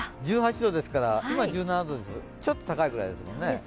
１８度ですから、今、１７度ですから、ちょっと高いくらいですからね。